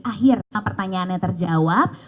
akhir pertanyaan yang terjawab